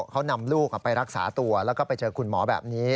เขานำลูกไปรักษาตัวแล้วก็ไปเจอคุณหมอแบบนี้